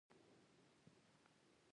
علم خورل د مسلمان وجیبه ده.